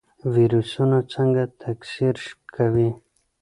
ویروسونه څنګه تکثیر کوي؟